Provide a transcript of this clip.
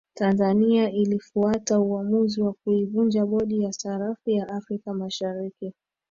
tanzania ilifuata uamuzi wa kuivunja bodi ya sarafu ya afrika mashariki